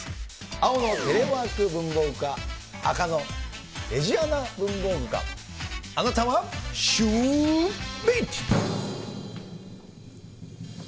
青のテレワーク文房具か、赤のデジアナ文房具化、あなたはシューＷｈｉｃｈ？